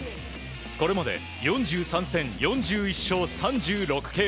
これまで４３戦４１勝３６ＫＯ。